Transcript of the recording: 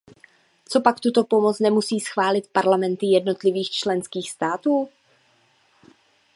Copak tuto pomoc nemusí schválit parlamenty jednotlivých členských států?